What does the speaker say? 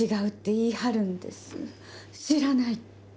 「知らない」って。